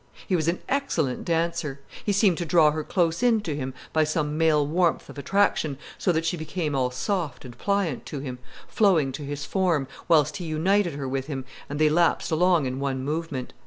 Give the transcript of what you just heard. He was an excellent dancer. He seemed to draw her close in to him by some male warmth of attraction, so that she became all soft and pliant to him, flowing to his form, whilst he united her with him and they lapsed along in one movement.